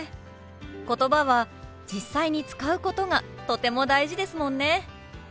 ことばは実際に使うことがとても大事ですもんね。